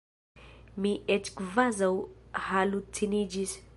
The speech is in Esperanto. Mi eĉ kvazaŭ haluciniĝis.